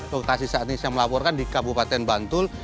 lokasi saat ini saya melaporkan di kabupaten bantul